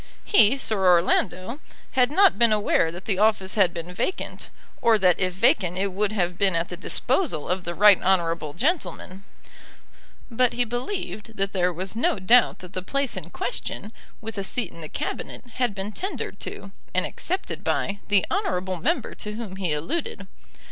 He, Sir Orlando, had not been aware that the office had been vacant, or that if vacant it would have been at the disposal of the right honourable gentleman; but he believed that there was no doubt that the place in question, with a seat in the Cabinet, had been tendered to, and accepted by, the honourable member to whom he alluded.